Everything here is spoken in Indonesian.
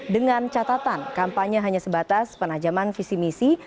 dengan catatan kampanye hanya sebatas penajaman visi misi